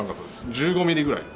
１５ミリぐらい。